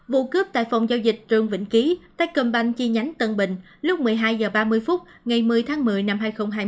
vụ cướp tại phòng giao dịch trương vĩnh ký tết công banh chi nhánh tân bình lúc một mươi hai h ba mươi phút ngày một mươi tháng một mươi năm hai nghìn hai mươi